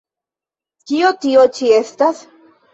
Kio tio ĉi estas?